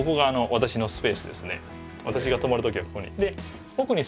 私が泊まる時はここに。